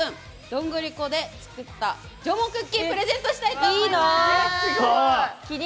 どんぐり粉で作った縄文クッキープレゼントしたいと思います！